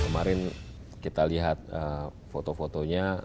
kemarin kita lihat foto fotonya